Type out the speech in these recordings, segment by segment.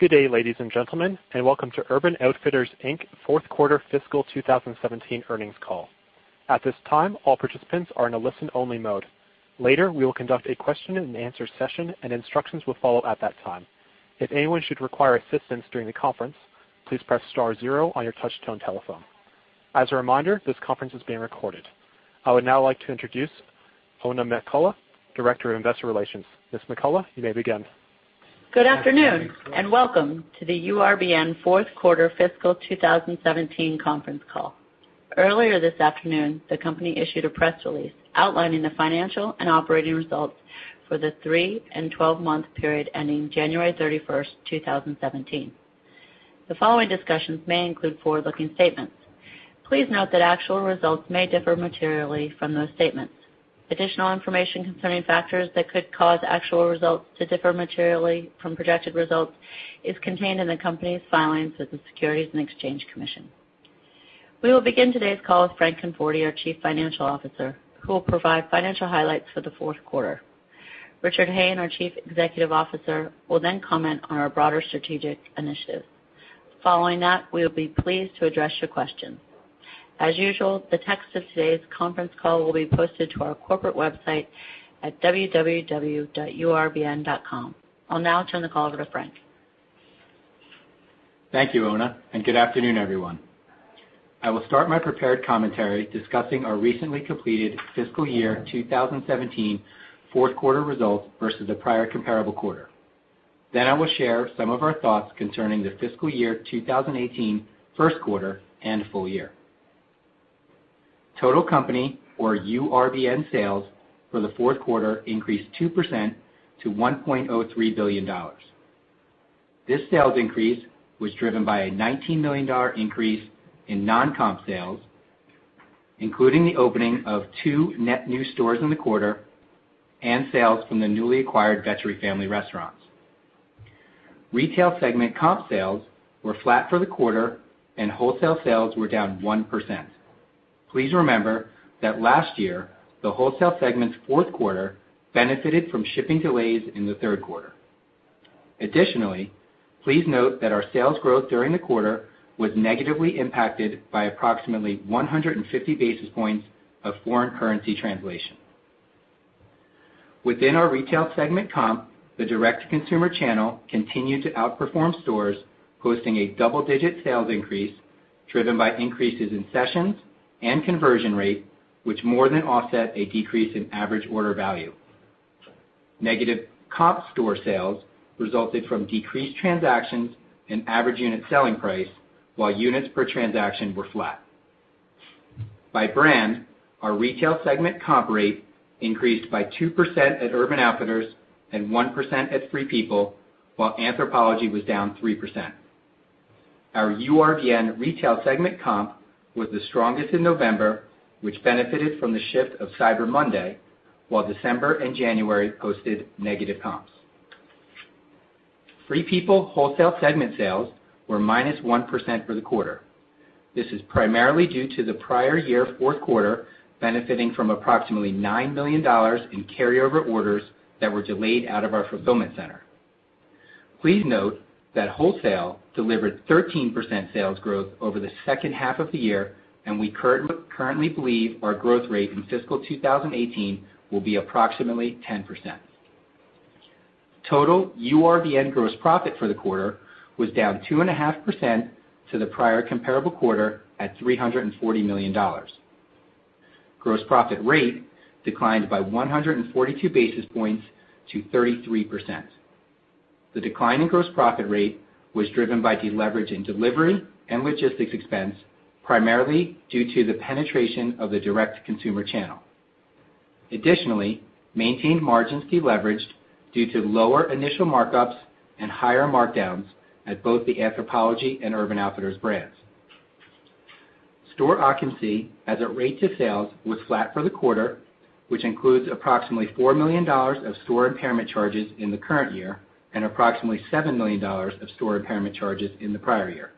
Good day, ladies and gentlemen, and welcome to Urban Outfitters Inc.'s fourth quarter fiscal 2017 earnings call. At this time, all participants are in a listen-only mode. Later, we will conduct a question and answer session, and instructions will follow at that time. If anyone should require assistance during the conference, please press star zero on your touch-tone telephone. As a reminder, this conference is being recorded. I would now like to introduce Oona McCullough, Director of Investor Relations. Ms. McCullough, you may begin. Good afternoon, welcome to the URBN fourth quarter fiscal 2017 conference call. Earlier this afternoon, the company issued a press release outlining the financial and operating results for the three and 12-month period ending January 31st, 2017. The following discussions may include forward-looking statements. Please note that actual results may differ materially from those statements. Additional information concerning factors that could cause actual results to differ materially from projected results is contained in the company's filings with the Securities and Exchange Commission. We will begin today's call with Frank Conforti, our Chief Financial Officer, who will provide financial highlights for the fourth quarter. Richard Hayne, our Chief Executive Officer, will comment on our broader strategic initiatives. Following that, we will be pleased to address your questions. As usual, the text of today's conference call will be posted to our corporate website at www.urbn.com. I'll now turn the call over to Frank. Thank you, Oona, good afternoon, everyone. I will start my prepared commentary discussing our recently completed fiscal year 2017 fourth quarter results versus the prior comparable quarter. I will share some of our thoughts concerning the fiscal year 2018 first quarter and full year. Total company or URBN sales for the fourth quarter increased 2% to $1.03 billion. This sales increase was driven by a $19 million increase in non-comp sales, including the opening of two net new stores in the quarter and sales from the newly acquired Vetri Family Restaurants. Retail segment comp sales were flat for the quarter, wholesale sales were down 1%. Please remember that last year, the wholesale segment's fourth quarter benefited from shipping delays in the third quarter. Please note that our sales growth during the quarter was negatively impacted by approximately 150 basis points of foreign currency translation. Within our retail segment comp, the direct-to-consumer channel continued to outperform stores, posting a double-digit sales increase driven by increases in sessions and conversion rate, which more than offset a decrease in average order value. Negative comp store sales resulted from decreased transactions and average unit selling price, while units per transaction were flat. By brand, our retail segment comp rate increased by 2% at Urban Outfitters and 1% at Free People, while Anthropologie was down 3%. Our URBN retail segment comp was the strongest in November, which benefited from the shift of Cyber Monday, while December and January posted negative comps. Free People wholesale segment sales were -1% for the quarter. This is primarily due to the prior year fourth quarter benefiting from approximately $9 million in carryover orders that were delayed out of our fulfillment center. Please note that wholesale delivered 13% sales growth over the second half of the year, and we currently believe our growth rate in fiscal 2018 will be approximately 10%. Total URBN gross profit for the quarter was down 2.5% to the prior comparable quarter at $340 million. Gross profit rate declined by 142 basis points to 33%. The decline in gross profit rate was driven by deleverage in delivery and logistics expense, primarily due to the penetration of the direct-to-consumer channel. Additionally, maintained margins deleveraged due to lower initial markups and higher markdowns at both the Anthropologie and Urban Outfitters brands. Store occupancy as a rate to sales was flat for the quarter, which includes approximately $4 million of store impairment charges in the current year and approximately $7 million of store impairment charges in the prior year.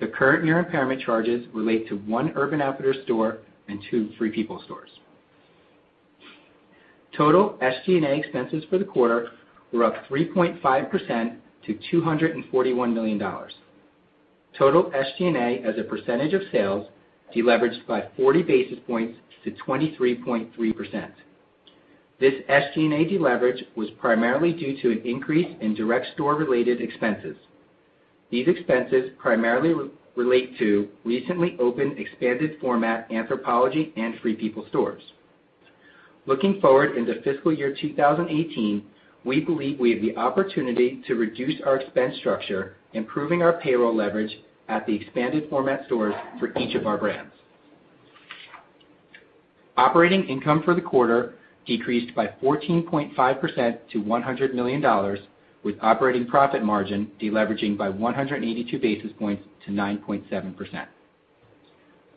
The current year impairment charges relate to one Urban Outfitters store and two Free People stores. Total SG&A expenses for the quarter were up 3.5% to $241 million. Total SG&A as a percentage of sales deleveraged by 40 basis points to 23.3%. This SG&A deleverage was primarily due to an increase in direct store-related expenses. These expenses primarily relate to recently opened expanded format Anthropologie and Free People stores. Looking forward into fiscal year 2018, we believe we have the opportunity to reduce our expense structure, improving our payroll leverage at the expanded format stores for each of our brands. Operating income for the quarter decreased by 14.5% to $100 million, with operating profit margin deleveraging by 182 basis points to 9.7%.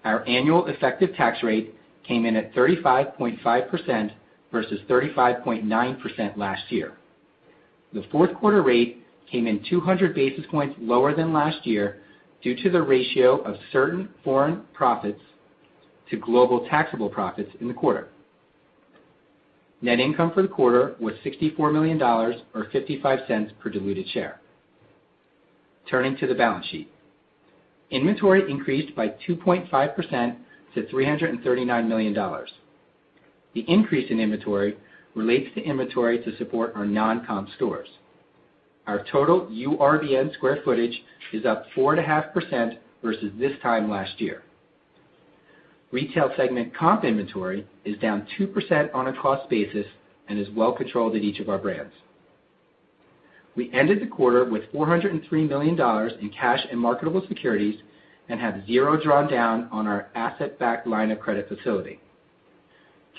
Our annual effective tax rate came in at 35.5% versus 35.9% last year. The fourth quarter rate came in 200 basis points lower than last year due to the ratio of certain foreign profits to global taxable profits in the quarter. Net income for the quarter was $64 million, or $0.55 per diluted share. Turning to the balance sheet. Inventory increased by 2.5% to $339 million. The increase in inventory relates to inventory to support our non-comp stores. Our total URBN square footage is up 4.5% versus this time last year. Retail segment comp inventory is down 2% on a cost basis and is well controlled at each of our brands. We ended the quarter with $403 million in cash and marketable securities and have zero drawn down on our asset-backed line of credit facility.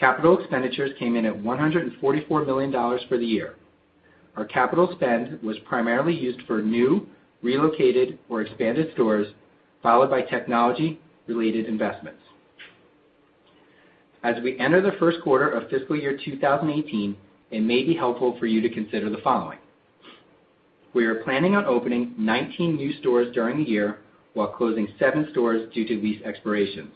Capital expenditures came in at $144 million for the year. Our capital spend was primarily used for new, relocated, or expanded stores, followed by technology-related investments. As we enter the first quarter of fiscal year 2018, it may be helpful for you to consider the following. We are planning on opening 19 new stores during the year while closing 7 stores due to lease expirations.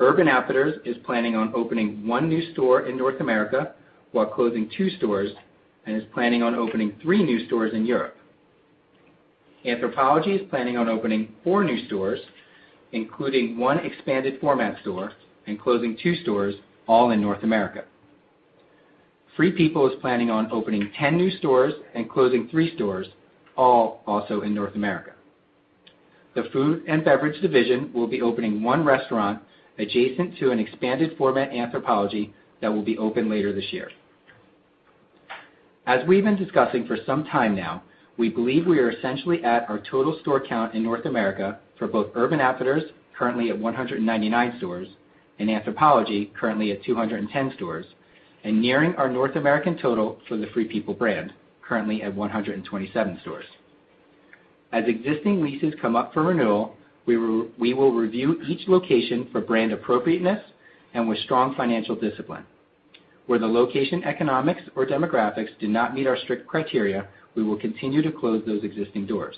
Urban Outfitters is planning on opening one new store in North America while closing 2 stores and is planning on opening 3 new stores in Europe. Anthropologie is planning on opening 4 new stores, including one expanded format store and closing 2 stores, all in North America. Free People is planning on opening 10 new stores and closing 3 stores, all also in North America. The food and beverage division will be opening one restaurant adjacent to an expanded format Anthropologie that will be open later this year. As we've been discussing for some time now, we believe we are essentially at our total store count in North America for both Urban Outfitters, currently at 199 stores, and Anthropologie, currently at 210 stores, and nearing our North American total for the Free People brand, currently at 127 stores. As existing leases come up for renewal, we will review each location for brand appropriateness and with strong financial discipline. Where the location economics or demographics do not meet our strict criteria, we will continue to close those existing doors.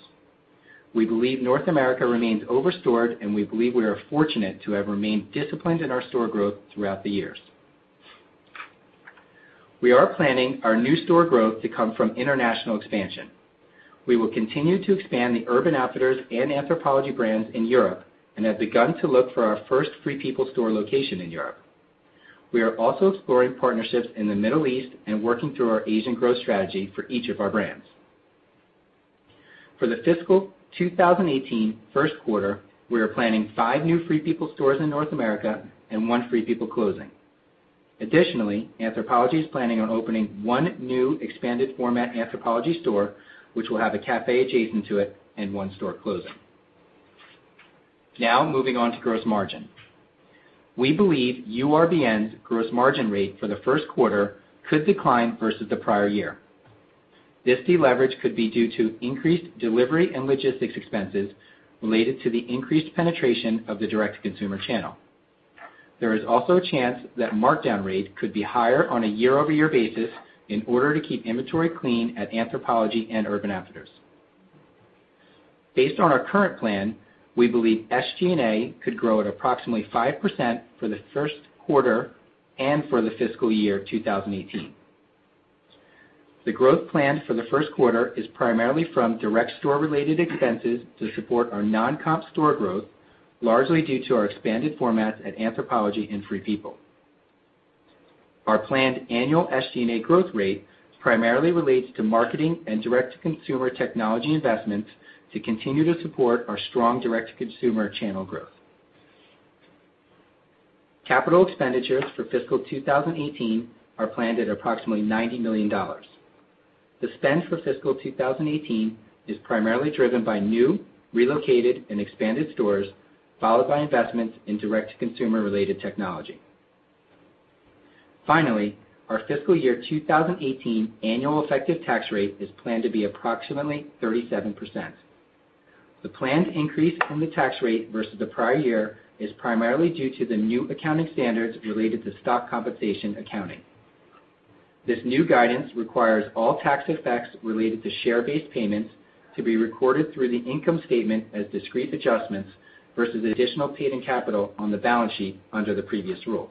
We believe North America remains over-stored, and we believe we are fortunate to have remained disciplined in our store growth throughout the years. We are planning our new store growth to come from international expansion. We will continue to expand the Urban Outfitters and Anthropologie brands in Europe and have begun to look for our first Free People store location in Europe. We are also exploring partnerships in the Middle East and working through our Asian growth strategy for each of our brands. For the fiscal 2018 first quarter, we are planning 5 new Free People stores in North America and one Free People closing. Additionally, Anthropologie is planning on opening one new expanded format Anthropologie store, which will have a cafe adjacent to it, and one store closing. Now, moving on to gross margin. We believe URBN's gross margin rate for the first quarter could decline versus the prior year. This deleverage could be due to increased delivery and logistics expenses related to the increased penetration of the direct-to-consumer channel. There is also a chance that markdown rate could be higher on a year-over-year basis in order to keep inventory clean at Anthropologie and Urban Outfitters. Based on our current plan, we believe SG&A could grow at approximately 5% for the first quarter and for the fiscal year 2018. The growth plan for the first quarter is primarily from direct store-related expenses to support our non-comp store growth, largely due to our expanded formats at Anthropologie and Free People. Our planned annual SG&A growth rate primarily relates to marketing and direct-to-consumer technology investments to continue to support our strong direct-to-consumer channel growth. Capital expenditures for fiscal 2018 are planned at approximately $90 million. The spend for fiscal 2018 is primarily driven by new, relocated, and expanded stores, followed by investments in direct-to-consumer related technology. Finally, our fiscal year 2018 annual effective tax rate is planned to be approximately 37%. The planned increase in the tax rate versus the prior year is primarily due to the new accounting standards related to stock compensation accounting. This new guidance requires all tax effects related to share-based payments to be recorded through the income statement as discrete adjustments versus additional paid-in capital on the balance sheet under the previous rules.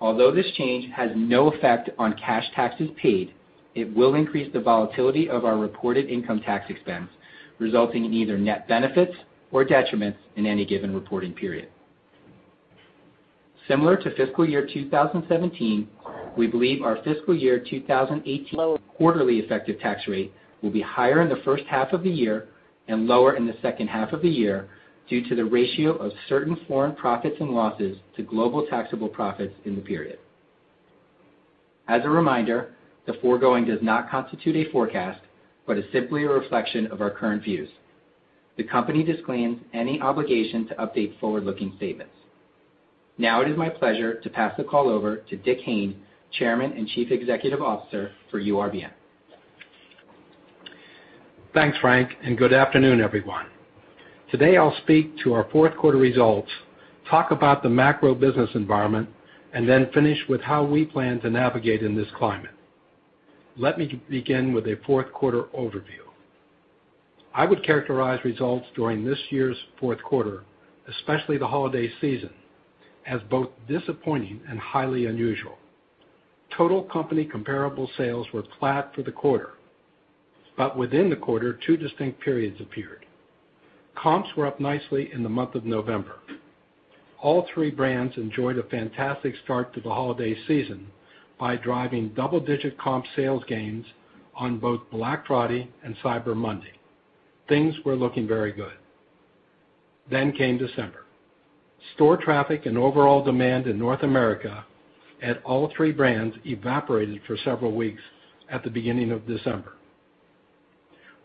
Although this change has no effect on cash taxes paid, it will increase the volatility of our reported income tax expense, resulting in either net benefits or detriments in any given reporting period. Similar to fiscal year 2017, we believe our fiscal year 2018 quarterly effective tax rate will be higher in the first half of the year and lower in the second half of the year due to the ratio of certain foreign profits and losses to global taxable profits in the period. As a reminder, the foregoing does not constitute a forecast, but is simply a reflection of our current views. The company disclaims any obligation to update forward-looking statements. It is my pleasure to pass the call over to Dick Hayne, Chairman and Chief Executive Officer for URBN. Thanks, Frank, and good afternoon, everyone. Today, I'll speak to our fourth quarter results, talk about the macro business environment, and then finish with how we plan to navigate in this climate. Let me begin with a fourth quarter overview. I would characterize results during this year's fourth quarter, especially the holiday season, as both disappointing and highly unusual. Total company comparable sales were flat for the quarter. Within the quarter, two distinct periods appeared. Comps were up nicely in the month of November. All three brands enjoyed a fantastic start to the holiday season by driving double-digit comp sales gains on both Black Friday and Cyber Monday. Things were looking very good. Came December. Store traffic and overall demand in North America at all three brands evaporated for several weeks at the beginning of December.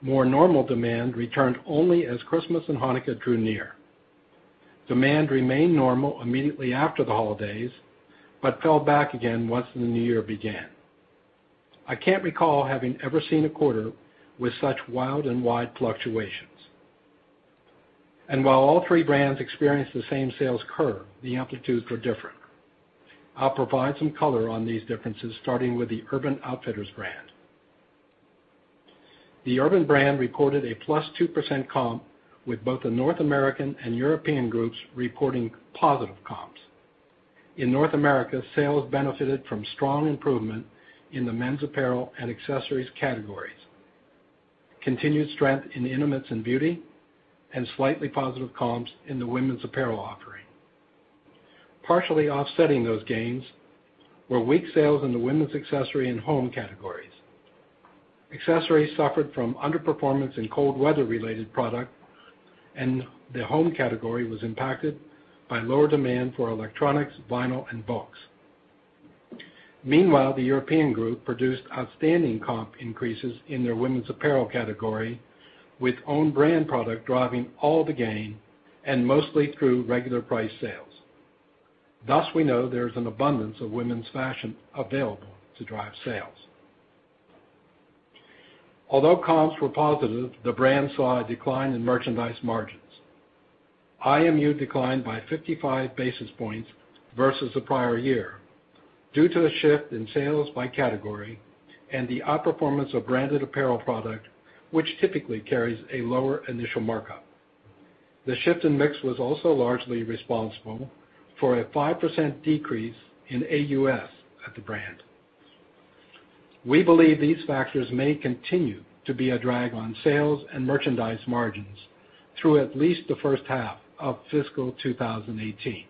More normal demand returned only as Christmas and Hanukkah drew near. Demand remained normal immediately after the holidays, fell back again once the new year began. I can't recall having ever seen a quarter with such wild and wide fluctuations. While all three brands experienced the same sales curve, the amplitudes were different. I'll provide some color on these differences, starting with the Urban Outfitters brand. The Urban brand reported a plus 2% comp, with both the North American and European groups reporting positive comps. In North America, sales benefited from strong improvement in the men's apparel and accessories categories, continued strength in intimates and beauty, and slightly positive comps in the women's apparel offering. Partially offsetting those gains were weak sales in the women's accessory and home categories. Accessories suffered from underperformance in cold weather-related product, and the home category was impacted by lower demand for electronics, vinyl, and books. Meanwhile, the European group produced outstanding comp increases in their women's apparel category, with own brand product driving all the gain and mostly through regular price sales. Thus, we know there is an abundance of women's fashion available to drive sales. Although comps were positive, the brand saw a decline in merchandise margins. IMU declined by 55 basis points versus the prior year due to a shift in sales by category and the outperformance of branded apparel product, which typically carries a lower initial markup. The shift in mix was also largely responsible for a 5% decrease in AUS at the brand. We believe these factors may continue to be a drag on sales and merchandise margins through at least the first half of fiscal 2018.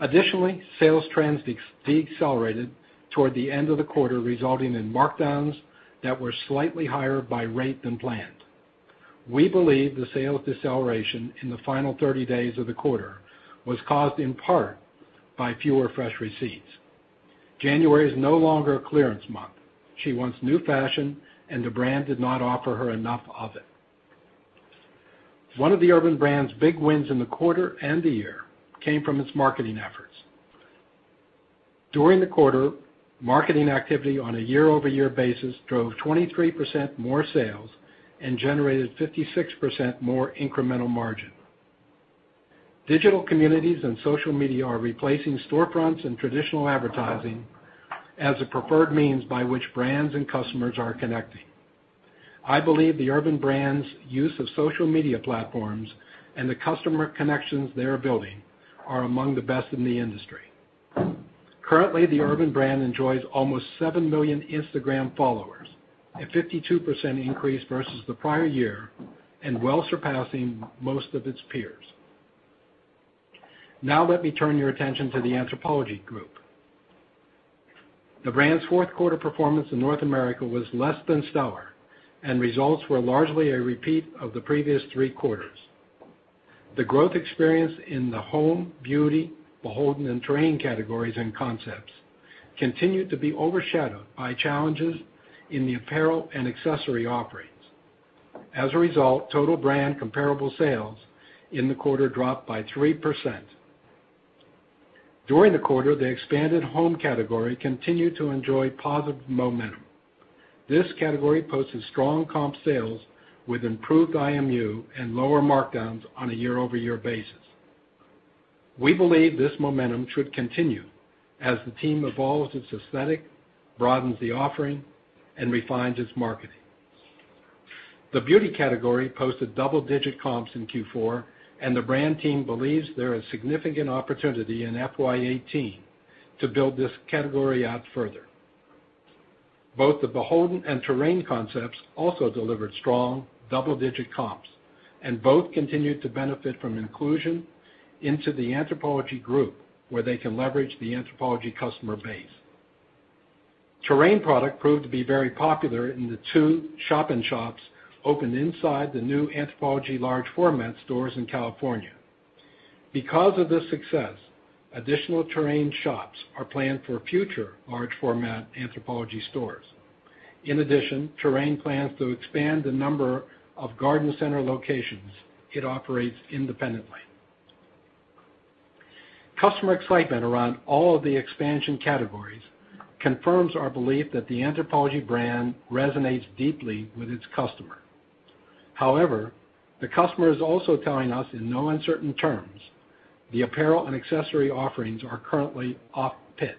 Additionally, sales trends decelerated toward the end of the quarter, resulting in markdowns that were slightly higher by rate than planned. We believe the sales deceleration in the final 30 days of the quarter was caused in part by fewer fresh receipts. January is no longer a clearance month. She wants new fashion, and the brand did not offer her enough of it. One of the Urban brand's big wins in the quarter and the year came from its marketing efforts. During the quarter, marketing activity on a year-over-year basis drove 23% more sales and generated 56% more incremental margin. Digital communities and social media are replacing storefronts and traditional advertising as a preferred means by which brands and customers are connecting. I believe the Urban brand's use of social media platforms and the customer connections they are building are among the best in the industry. Currently, the Urban brand enjoys almost 7 million Instagram followers, a 52% increase versus the prior year, and well surpassing most of its peers. Now let me turn your attention to the Anthropologie Group. The brand's fourth-quarter performance in North America was less than stellar, and results were largely a repeat of the previous three quarters. The growth experience in the home, beauty, BHLDN, and Terrain categories and concepts continued to be overshadowed by challenges in the apparel and accessory offerings. As a result, total brand comparable sales in the quarter dropped by 3%. During the quarter, the expanded home category continued to enjoy positive momentum. This category posted strong comp sales with improved IMU and lower markdowns on a year-over-year basis. We believe this momentum should continue as the team evolves its aesthetic, broadens the offering, and refines its marketing. The beauty category posted double-digit comps in Q4, and the brand team believes there is significant opportunity in FY 2018 to build this category out further. Both the BHLDN and Terrain concepts also delivered strong double-digit comps, and both continued to benefit from inclusion into the Anthropologie Group, where they can leverage the Anthropologie customer base. Terrain product proved to be very popular in the two shop-in-shops opened inside the new Anthropologie large format stores in California. Because of this success, additional Terrain shops are planned for future large format Anthropologie stores. In addition, Terrain plans to expand the number of garden center locations it operates independently. Customer excitement around all of the expansion categories confirms our belief that the Anthropologie brand resonates deeply with its customer. However, the customer is also telling us in no uncertain terms the apparel and accessory offerings are currently off-pitch.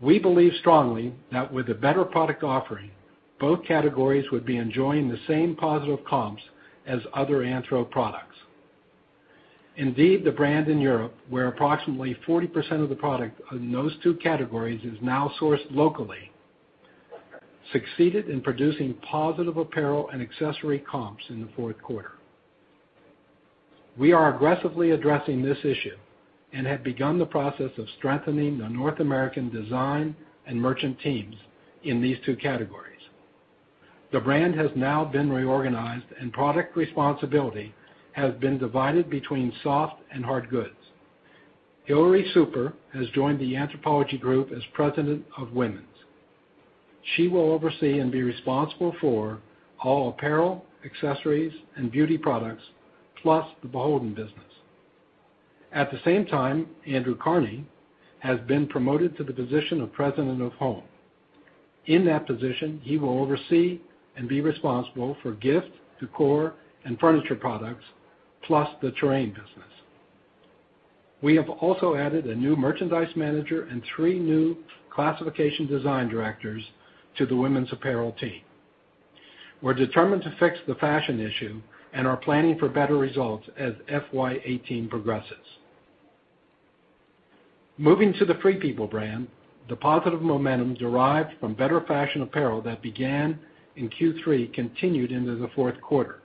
We believe strongly that with a better product offering, both categories would be enjoying the same positive comps as other Anthro products. Indeed, the brand in Europe, where approximately 40% of the product in those two categories is now sourced locally, succeeded in producing positive apparel and accessory comps in the fourth quarter. We are aggressively addressing this issue and have begun the process of strengthening the North American design and merchant teams in these two categories. The brand has now been reorganized, and product responsibility has been divided between soft and hard goods. Hilary Super has joined the Anthropologie Group as President of women's. She will oversee and be responsible for all apparel, accessories, and beauty products, plus the BHLDN business. At the same time, Andrew Carnie has been promoted to the position of President of home. In that position, he will oversee and be responsible for gift, decor, and furniture products, plus the Terrain business. We have also added a new merchandise manager and three new classification design directors to the women's apparel team. We're determined to fix the fashion issue and are planning for better results as FY 2018 progresses. Moving to the Free People brand, the positive momentum derived from better fashion apparel that began in Q3 continued into the fourth quarter,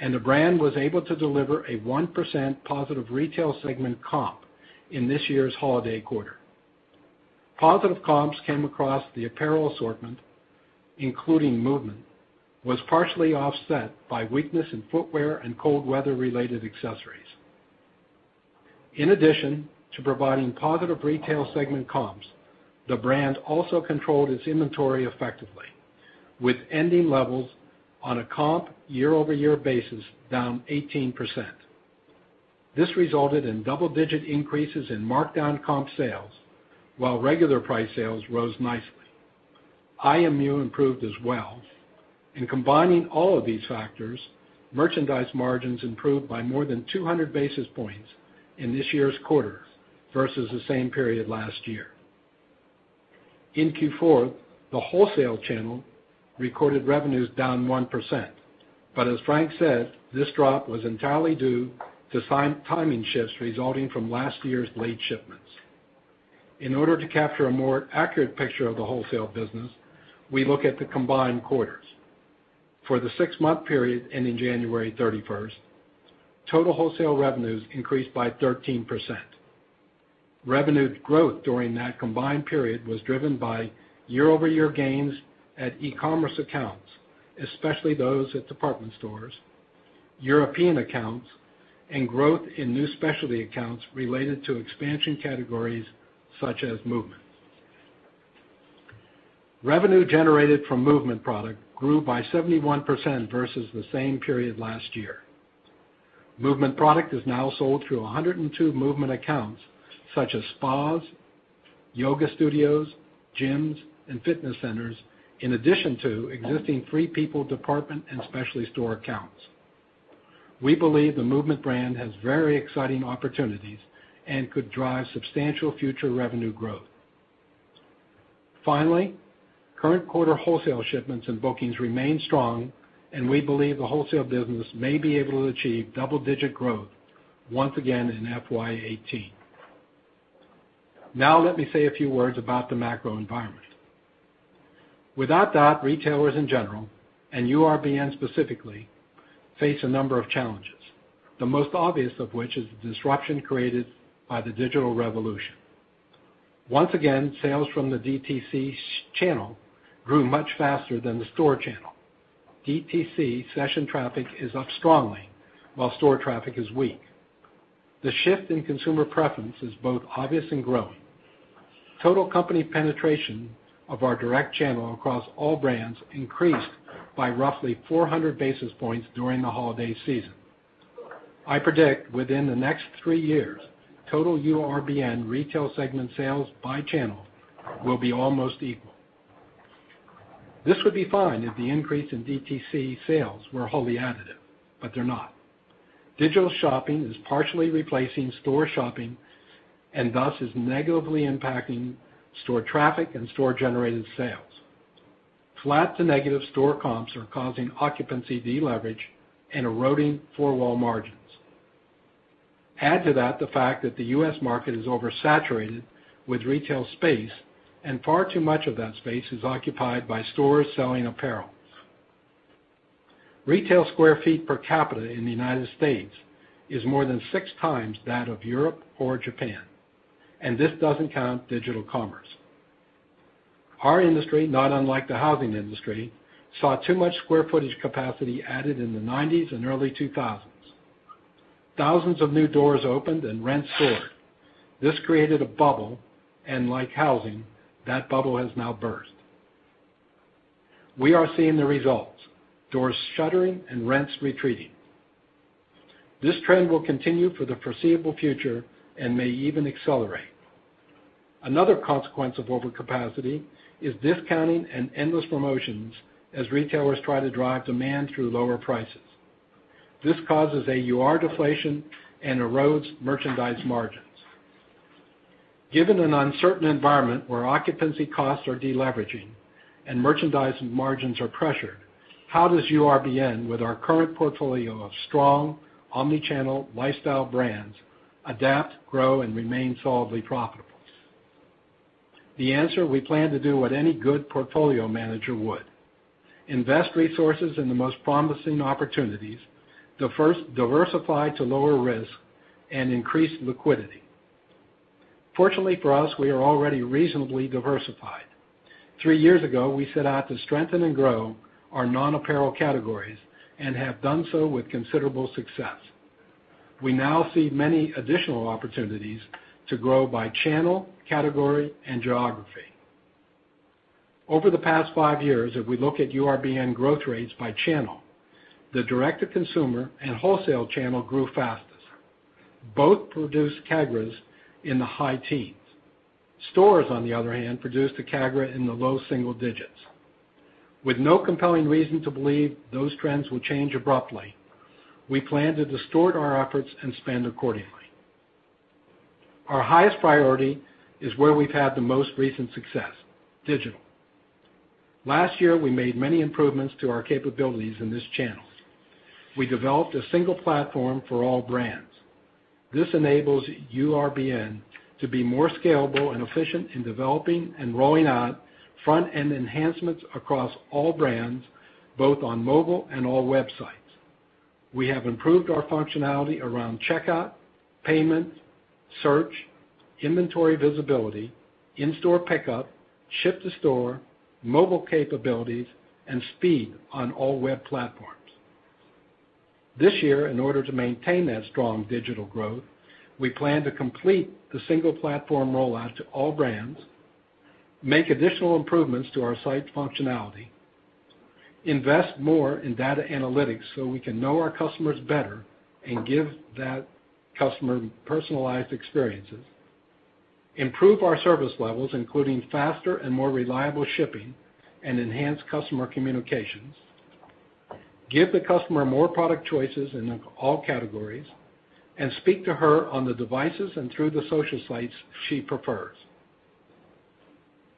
and the brand was able to deliver a 1% positive retail segment comp in this year's holiday quarter. Positive comps came across the apparel assortment, including Movement, was partially offset by weakness in footwear and cold weather-related accessories. In addition to providing positive retail segment comps, the brand also controlled its inventory effectively, with ending levels on a comp year-over-year basis down 18%. This resulted in double-digit increases in markdown comp sales while regular price sales rose nicely. IMU improved as well. In combining all of these factors, merchandise margins improved by more than 200 basis points in this year's quarter versus the same period last year. In Q4, the wholesale channel recorded revenues down 1%. As Frank said, this drop was entirely due to timing shifts resulting from last year's late shipments. In order to capture a more accurate picture of the wholesale business, we look at the combined quarters. For the six-month period ending January 31st, total wholesale revenues increased by 13%. Revenue growth during that combined period was driven by year-over-year gains at e-commerce accounts, especially those at department stores, European accounts, and growth in new specialty accounts related to expansion categories such as Movement. Revenue generated from Movement product grew by 71% versus the same period last year. Movement product is now sold through 102 Movement accounts, such as spas, yoga studios, gyms, and fitness centers, in addition to existing Free People department and specialty store accounts. We believe the Movement brand has very exciting opportunities and could drive substantial future revenue growth. Current quarter wholesale shipments and bookings remain strong, and we believe the wholesale business may be able to achieve double-digit growth once again in FY 2018. Let me say a few words about the macro environment. Without doubt, retailers in general, and URBN specifically, face a number of challenges, the most obvious of which is the disruption created by the digital revolution. Once again, sales from the DTC channel grew much faster than the store channel. DTC session traffic is up strongly while store traffic is weak. The shift in consumer preference is both obvious and growing. Total company penetration of our direct channel across all brands increased by roughly 400 basis points during the holiday season. I predict within the next three years, total URBN retail segment sales by channel will be almost equal. This would be fine if the increase in DTC sales were wholly additive, but they're not. Digital shopping is partially replacing store shopping and thus is negatively impacting store traffic and store-generated sales. Flat to negative store comps are causing occupancy deleverage and eroding four-wall margins. Add to that the fact that the U.S. market is oversaturated with retail space and far too much of that space is occupied by stores selling apparel. Retail square feet per capita in the United States is more than six times that of Europe or Japan, and this doesn't count digital commerce. Our industry, not unlike the housing industry, saw too much square footage capacity added in the '90s and early 2000s. Thousands of new doors opened and rents soared. This created a bubble, and like housing, that bubble has now burst. We are seeing the results, doors shuttering and rents retreating. This trend will continue for the foreseeable future and may even accelerate. Another consequence of overcapacity is discounting and endless promotions as retailers try to drive demand through lower prices. This causes AUR deflation and erodes merchandise margins. Given an uncertain environment where occupancy costs are de-leveraging and merchandising margins are pressured, how does URBN, with our current portfolio of strong omni-channel lifestyle brands, adapt, grow, and remain solidly profitable? The answer, we plan to do what any good portfolio manager would. Invest resources in the most promising opportunities, diversify to lower risk, and increase liquidity. Fortunately for us, we are already reasonably diversified. Three years ago, we set out to strengthen and grow our non-apparel categories and have done so with considerable success. We now see many additional opportunities to grow by channel, category, and geography. Over the past five years, if we look at URBN growth rates by channel, the direct-to-consumer and wholesale channel grew fastest. Both produced CAGRAS in the high teens. Stores, on the other hand, produced a CAGR in the low single digits. With no compelling reason to believe those trends will change abruptly, we plan to distort our efforts and spend accordingly. Our highest priority is where we've had the most recent success, digital. Last year, we made many improvements to our capabilities in this channel. We developed a single platform for all brands. This enables URBN to be more scalable and efficient in developing and rolling out front-end enhancements across all brands, both on mobile and all websites. We have improved our functionality around checkout, payment, search, inventory visibility, in-store pickup, ship to store, mobile capabilities, and speed on all web platforms. This year, in order to maintain that strong digital growth, we plan to complete the single platform rollout to all brands, make additional improvements to our site functionality, invest more in data analytics so we can know our customers better and give that customer personalized experiences, improve our service levels, including faster and more reliable shipping and enhanced customer communications, give the customer more product choices in all categories, and speak to her on the devices and through the social sites she prefers.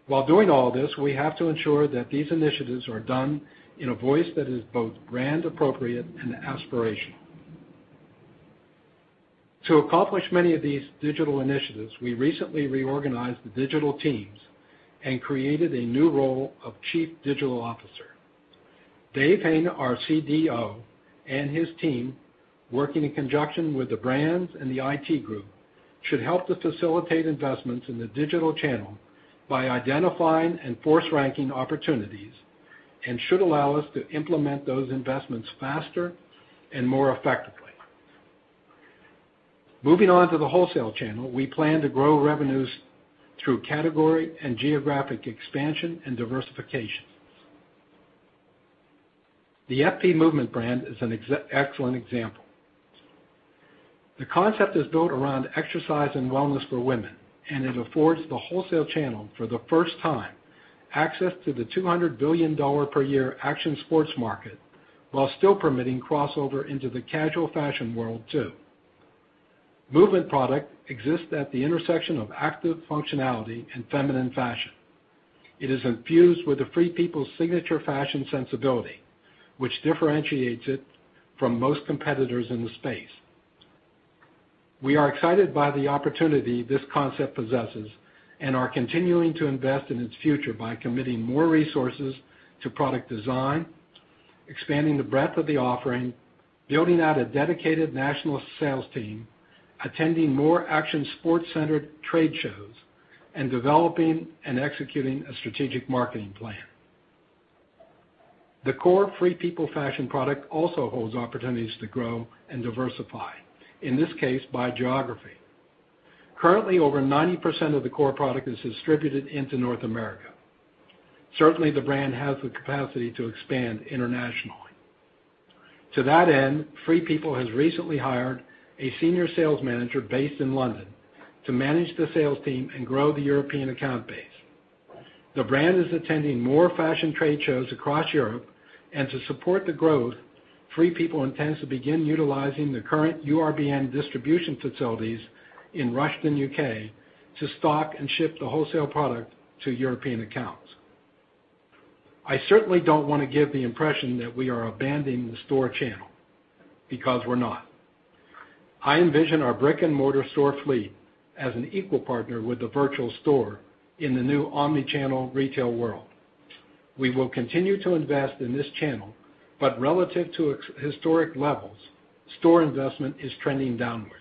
While doing all this, we have to ensure that these initiatives are done in a voice that is both brand appropriate and aspirational. To accomplish many of these digital initiatives, we recently reorganized the digital teams and created a new role of chief digital officer. Dave Hayne, our CDO, and his team, working in conjunction with the brands and the IT group, should help to facilitate investments in the digital channel by identifying and force ranking opportunities and should allow us to implement those investments faster and more effectively. Moving on to the wholesale channel, we plan to grow revenues through category and geographic expansion and diversification. The FP Movement brand is an excellent example. The concept is built around exercise and wellness for women, it affords the wholesale channel, for the first time, access to the $200 billion per year action sports market, while still permitting crossover into the casual fashion world too. Movement product exists at the intersection of active functionality and feminine fashion. It is infused with the Free People signature fashion sensibility, which differentiates it from most competitors in the space. We are excited by the opportunity this concept possesses and are continuing to invest in its future by committing more resources to product design, expanding the breadth of the offering, building out a dedicated national sales team, attending more action sports-centered trade shows, and developing and executing a strategic marketing plan. The core Free People fashion product also holds opportunities to grow and diversify, in this case by geography. Currently, over 90% of the core product is distributed into North America. Certainly, the brand has the capacity to expand internationally. To that end, Free People has recently hired a senior sales manager based in London to manage the sales team and grow the European account base. The brand is attending more fashion trade shows across Europe, and to support the growth, Free People intends to begin utilizing the current URBN distribution facilities in Rushden, U.K., to stock and ship the wholesale product to European accounts. I certainly don't want to give the impression that we are abandoning the store channel, because we're not. I envision our brick-and-mortar store fleet as an equal partner with the virtual store in the new omni-channel retail world. We will continue to invest in this channel, but relative to historic levels, store investment is trending downward.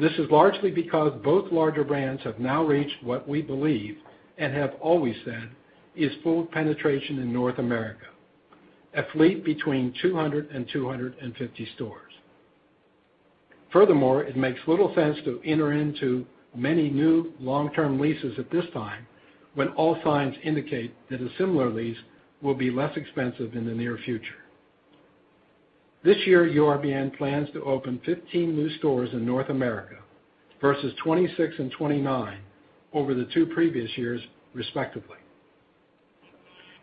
This is largely because both larger brands have now reached what we believe, and have always said, is full penetration in North America, a fleet between 200 and 250 stores. Furthermore, it makes little sense to enter into many new long-term leases at this time when all signs indicate that a similar lease will be less expensive in the near future. This year, URBN plans to open 15 new stores in North America versus 26 and 29 over the two previous years, respectively.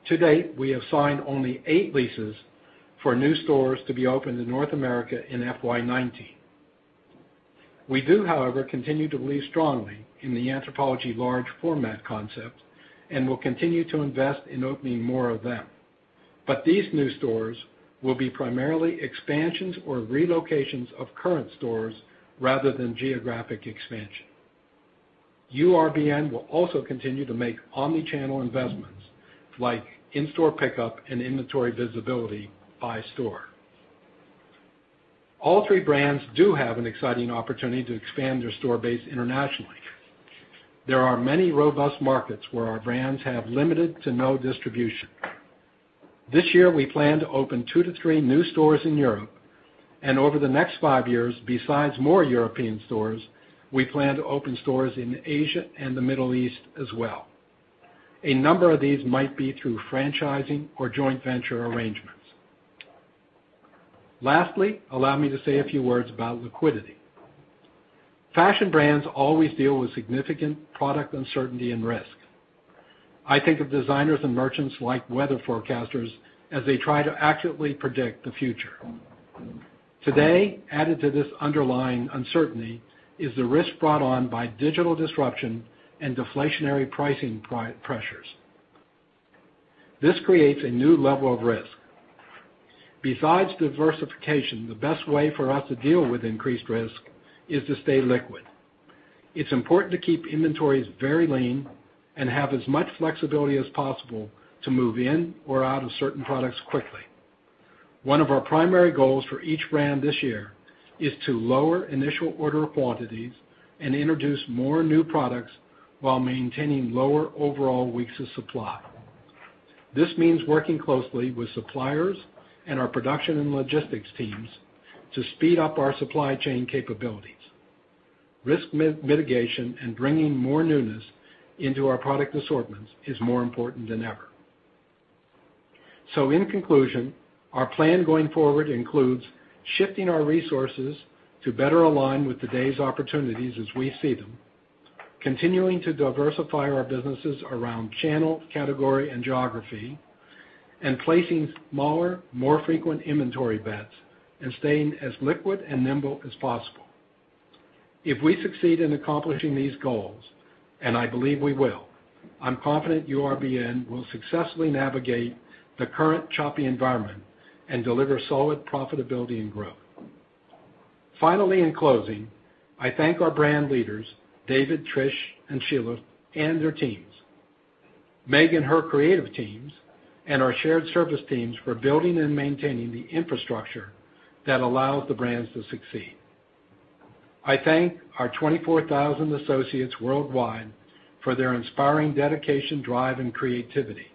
To date, we have signed only eight leases for new stores to be opened in North America in FY 2019. We do, however, continue to believe strongly in the Anthropologie large format concept and will continue to invest in opening more of them. These new stores will be primarily expansions or relocations of current stores rather than geographic expansion. URBN will also continue to make omni-channel investments like in-store pickup and inventory visibility by store. All three brands do have an exciting opportunity to expand their store base internationally. There are many robust markets where our brands have limited to no distribution. This year, we plan to open two to three new stores in Europe, and over the next five years, besides more European stores, we plan to open stores in Asia and the Middle East as well. A number of these might be through franchising or joint venture arrangements. Lastly, allow me to say a few words about liquidity. Fashion brands always deal with significant product uncertainty and risk. I think of designers and merchants like weather forecasters as they try to accurately predict the future. Today, added to this underlying uncertainty, is the risk brought on by digital disruption and deflationary pricing pressures. This creates a new level of risk. Besides diversification, the best way for us to deal with increased risk is to stay liquid. It's important to keep inventories very lean and have as much flexibility as possible to move in or out of certain products quickly. One of our primary goals for each brand this year is to lower initial order quantities and introduce more new products while maintaining lower overall weeks of supply. This means working closely with suppliers and our production and logistics teams to speed up our supply chain capabilities. Risk mitigation and bringing more newness into our product assortments is more important than ever. In conclusion, our plan going forward includes shifting our resources to better align with today's opportunities as we see them, continuing to diversify our businesses around channel, category, and geography, and placing smaller, more frequent inventory bets and staying as liquid and nimble as possible. If we succeed in accomplishing these goals, and I believe we will, I'm confident URBN will successfully navigate the current choppy environment and deliver solid profitability and growth. Finally, in closing, I thank our brand leaders, David, Trish, and Sheila, and their teams, Megan, her creative teams, and our shared service teams for building and maintaining the infrastructure that allows the brands to succeed. I thank our 24,000 associates worldwide for their inspiring dedication, drive, and creativity.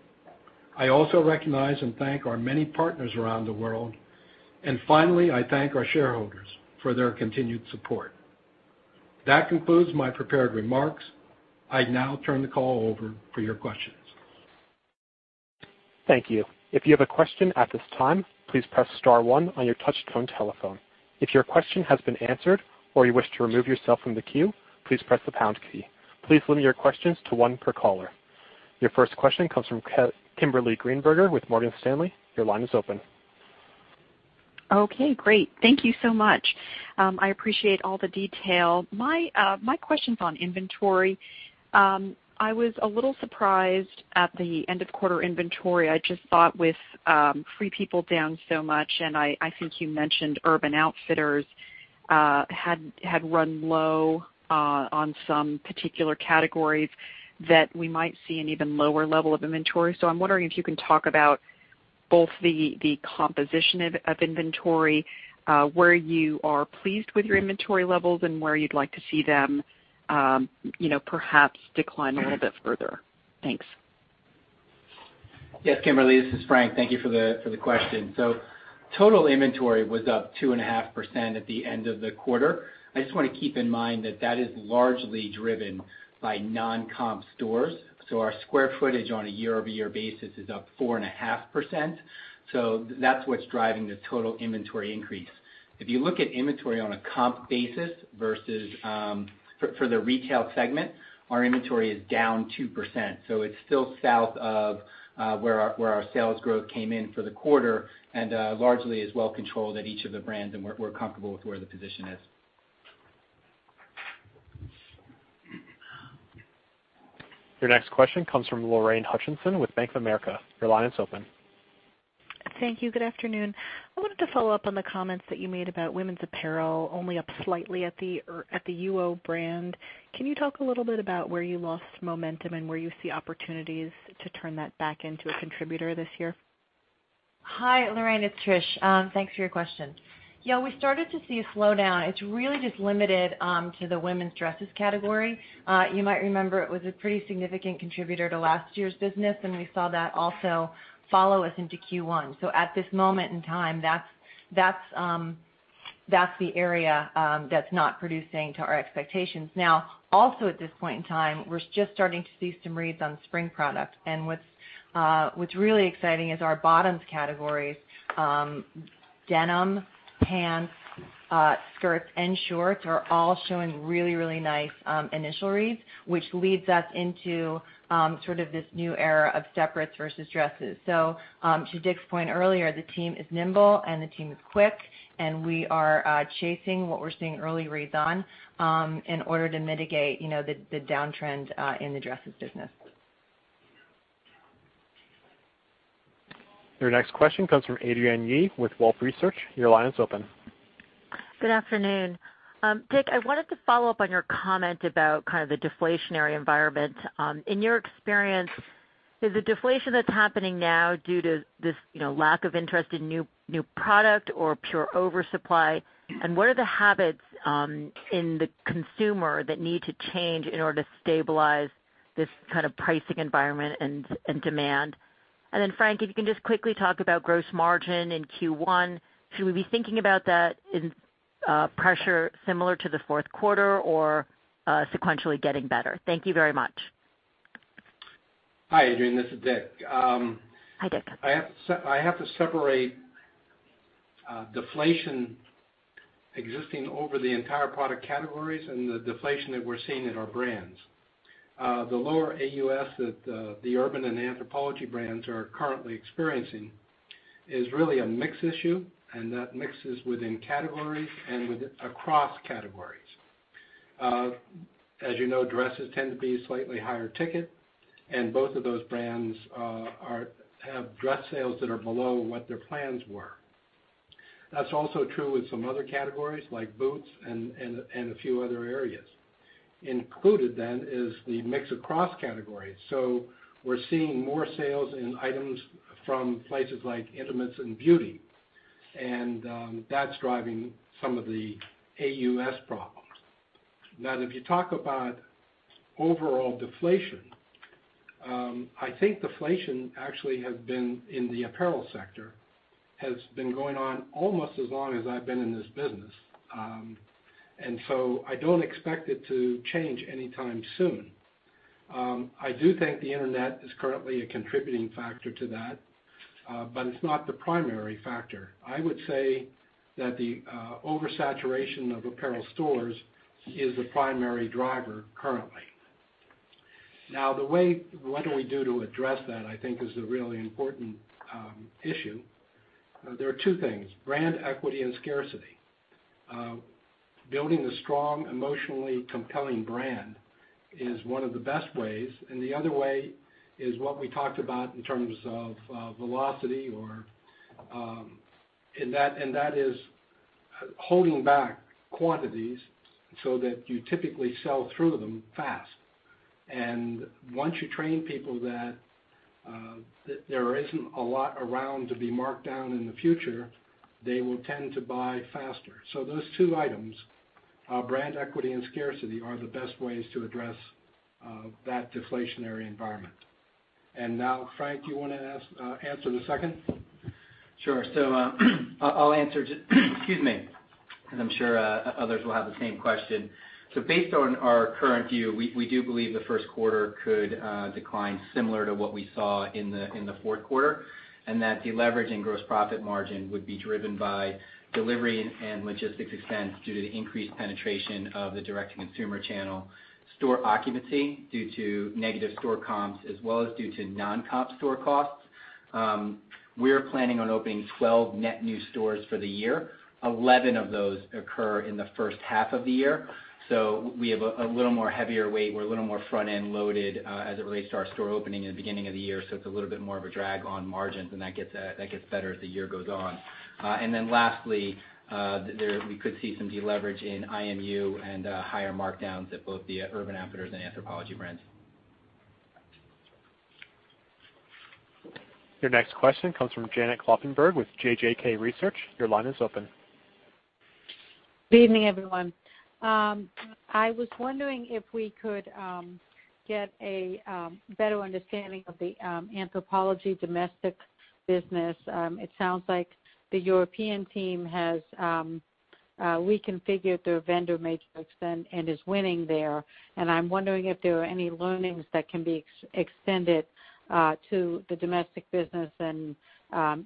I also recognize and thank our many partners around the world. Finally, I thank our shareholders for their continued support. That concludes my prepared remarks. I now turn the call over for your questions. Thank you. If you have a question at this time, please press *1 on your touchtone telephone. If your question has been answered or you wish to remove yourself from the queue, please press the # key. Please limit your questions to one per caller. Your first question comes from Kimberly Greenberger with Morgan Stanley. Your line is open. Okay, great. Thank you so much. I appreciate all the detail. My question's on inventory. I was a little surprised at the end of quarter inventory. I just thought with Free People down so much, and I think you mentioned Urban Outfitters had run low on some particular categories, that we might see an even lower level of inventory. I'm wondering if you can talk about both the composition of inventory, where you are pleased with your inventory levels, and where you'd like to see them perhaps decline a little bit further. Thanks. Yes, Kimberly, this is Frank. Thank you for the question. Total inventory was up 2.5% at the end of the quarter. I just want to keep in mind that that is largely driven by non-comp stores. Our square footage on a year-over-year basis is up 4.5%. That's what's driving the total inventory increase. If you look at inventory on a comp basis versus for the retail segment, our inventory is down 2%. It's still south of where our sales growth came in for the quarter and largely is well controlled at each of the brands, and we're comfortable with where the position is. Your next question comes from Lorraine Hutchinson with Bank of America. Your line is open. Thank you. Good afternoon. I wanted to follow up on the comments that you made about women's apparel only up slightly at the UO brand. Can you talk a little bit about where you lost momentum and where you see opportunities to turn that back into a contributor this year? Hi, Lorraine, it's Trish. Thanks for your question. Yeah, we started to see a slowdown. It's really just limited to the women's dresses category. You might remember it was a pretty significant contributor to last year's business, and we saw that also follow us into Q1. At this moment in time, that's That's the area that's not producing to our expectations. Also at this point in time, we're just starting to see some reads on spring products. What's really exciting is our bottoms categories, denim, pants, skirts, and shorts are all showing really, really nice initial reads, which leads us into sort of this new era of separates versus dresses. To Dick's point earlier, the team is nimble and the team is quick, and we are chasing what we're seeing early reads on, in order to mitigate the downtrend in the dresses business. Your next question comes from Adrienne Yih with Wolfe Research. Your line is open. Good afternoon. Dick, I wanted to follow up on your comment about kind of the deflationary environment. In your experience, is the deflation that's happening now due to this lack of interest in new product or pure oversupply? What are the habits in the consumer that need to change in order to stabilize this kind of pricing environment and demand? Frank, if you can just quickly talk about gross margin in Q1. Should we be thinking about that in pressure similar to the fourth quarter or sequentially getting better? Thank you very much. Hi, Adrienne. This is Dick. Hi, Dick. I have to separate deflation existing over the entire product categories and the deflation that we're seeing in our brands. The lower AUR that the Urban and Anthropologie brands are currently experiencing is really a mix issue, that mix is within categories and across categories. As you know, dresses tend to be slightly higher ticket, both of those brands have dress sales that are below what their plans were. That's also true with some other categories like boots and a few other areas. Included then is the mix across categories. We're seeing more sales in items from places like intimates and beauty, that's driving some of the AUR problems. Now, if you talk about overall deflation, I think deflation actually has been in the apparel sector, has been going on almost as long as I've been in this business. I don't expect it to change anytime soon. I do think the Internet is currently a contributing factor to that, but it's not the primary factor. I would say that the oversaturation of apparel stores is the primary driver currently. What do we do to address that, I think, is the really important issue. There are two things, brand equity and scarcity. Building a strong, emotionally compelling brand is one of the best ways, and the other way is what we talked about in terms of velocity. That is holding back quantities so that you typically sell through them fast. Once you train people that there isn't a lot around to be marked down in the future, they will tend to buy faster. Those two items, brand equity and scarcity, are the best ways to address that deflationary environment. Frank, do you want to answer the second? Sure. I'll answer, excuse me, and I'm sure others will have the same question. Based on our current view, we do believe the first quarter could decline similar to what we saw in the fourth quarter, and that deleveraging gross profit margin would be driven by delivery and logistics expense due to the increased penetration of the direct-to-consumer channel store occupancy due to negative store comps as well as due to non-comp store costs. We're planning on opening 12 net new stores for the year. 11 of those occur in the first half of the year, we have a little more heavier weight. We're a little more front-end loaded, as it relates to our store opening in the beginning of the year. It's a little bit more of a drag on margins, and that gets better as the year goes on. Lastly, we could see some deleverage in IMU and higher markdowns at both the Urban Outfitters and Anthropologie brands. Your next question comes from Janet Kloppenburg with JJK Research. Your line is open. Good evening, everyone. I was wondering if we could get a better understanding of the Anthropologie domestic business. It sounds like the European team has reconfigured their vendor matrix and is winning there. I'm wondering if there are any learnings that can be extended to the domestic business and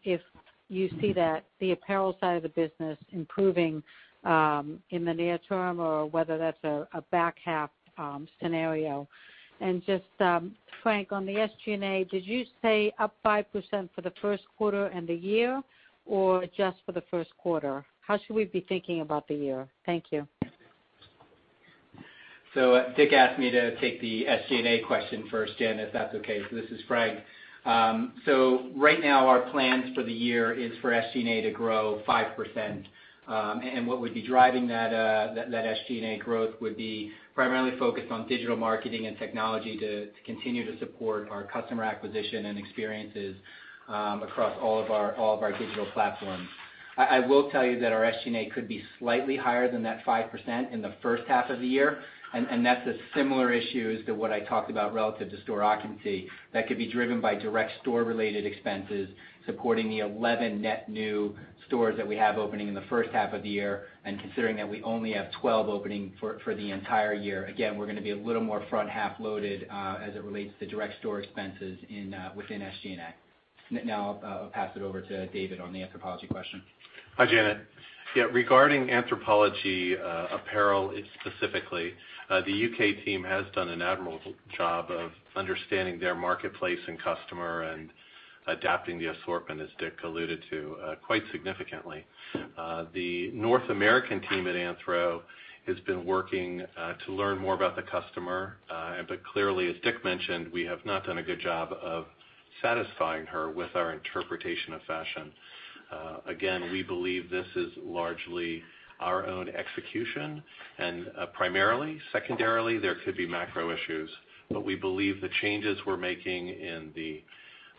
if you see that the apparel side of the business improving in the near term or whether that's a back half scenario. Just, Frank, on the SG&A, did you say up 5% for the first quarter and the year or just for the first quarter? How should we be thinking about the year? Thank you. Dick asked me to take the SG&A question first, Janet, if that's okay. This is Frank. Right now, our plans for the year is for SG&A to grow 5%. What would be driving that SG&A growth would be primarily focused on digital marketing and technology to continue to support our customer acquisition and experiences across all of our digital platforms. I will tell you that our SG&A could be slightly higher than that 5% in the first half of the year, and that's a similar issue as to what I talked about relative to store occupancy that could be driven by direct store-related expenses supporting the 11 net new stores that we have opening in the first half of the year, and considering that we only have 12 opening for the entire year. Again, we're going to be a little more front-half loaded as it relates to direct store expenses within SG&A. I'll pass it over to David on the Anthropologie question. Hi, Janet. Yeah. Regarding Anthropologie apparel specifically, the U.K. team has done an admirable job of understanding their marketplace and customer and adapting the assortment, as Dick alluded to, quite significantly. The North American team at Anthro has been working to learn more about the customer. Clearly, as Dick mentioned, we have not done a good job of satisfying her with our interpretation of fashion. Again, we believe this is largely our own execution, primarily. Secondarily, there could be macro issues. We believe the changes we're making in the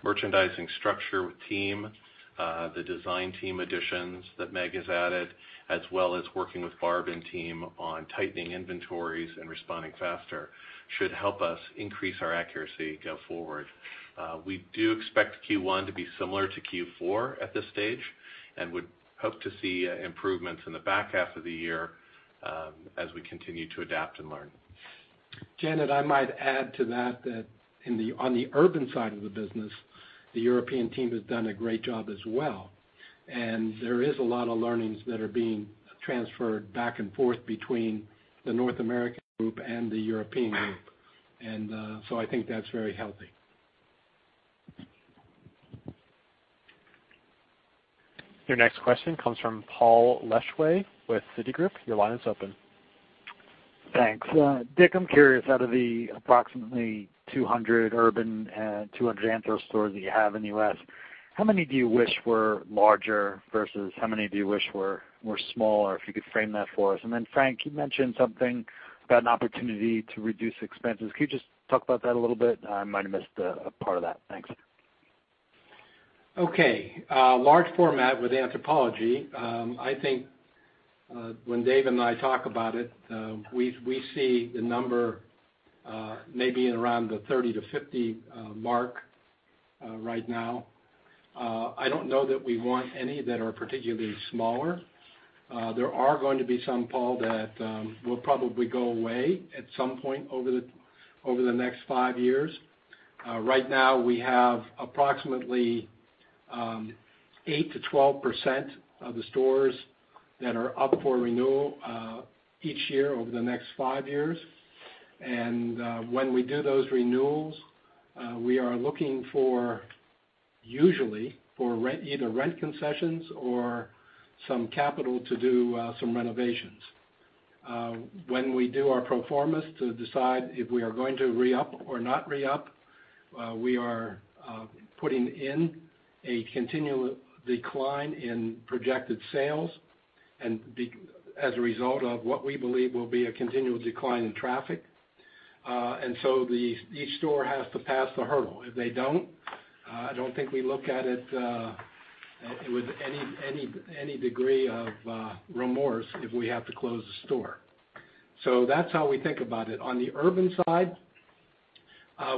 merchandising structure with team, the design team additions that Meg has added, as well as working with Barb and team on tightening inventories and responding faster, should help us increase our accuracy going forward. We do expect Q1 to be similar to Q4 at this stage and would hope to see improvements in the back half of the year as we continue to adapt and learn. Janet, I might add to that on the Urban side of the business, the European team has done a great job as well, and there is a lot of learnings that are being transferred back and forth between the North American group and the European group. I think that's very healthy. Your next question comes from Paul Lejuez with Citigroup. Your line is open. Thanks. Dick, I'm curious, out of the approximately 200 Urban and 200 Anthro stores that you have in the U.S., how many do you wish were larger versus how many do you wish were smaller? If you could frame that for us. Frank, you mentioned something about an opportunity to reduce expenses. Could you just talk about that a little bit? I might have missed a part of that. Thanks. Okay. Large format with Anthropologie. I think when Dave and I talk about it, we see the number maybe at around the 30-50 mark right now. I don't know that we want any that are particularly smaller. There are going to be some, Paul, that will probably go away at some point over the next five years. Right now, we have approximately 8%-12% of the stores that are up for renewal each year over the next five years. When we do those renewals, we are looking usually for either rent concessions or some capital to do some renovations. When we do our pro formas to decide if we are going to re-up or not re-up, we are putting in a continual decline in projected sales as a result of what we believe will be a continual decline in traffic. Each store has to pass the hurdle. If they don't, I don't think we look at it with any degree of remorse if we have to close the store. That's how we think about it. On the Urban side,